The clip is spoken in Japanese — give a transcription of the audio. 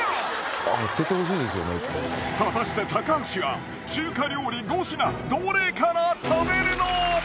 高い果たして高橋は中華料理５品どれから食べるの？